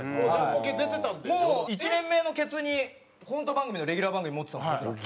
もう１年目のケツにコント番組のレギュラー番組持ってたんです僕ら。